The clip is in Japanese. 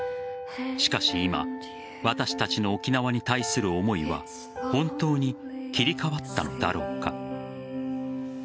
しかし今私たちの沖縄に対する思いは本当に切り替わったのだろうか。